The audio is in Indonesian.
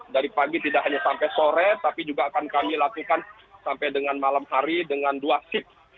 dari pagi tidak hanya sampai sore tapi juga akan kami lakukan sampai dengan malam hari dengan dua shift